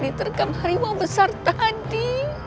ditergam hariwa besar tadi